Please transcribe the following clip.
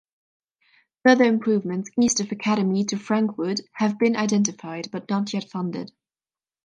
Further improvements east of Academy to Frankwood have been identified, but not yet funded.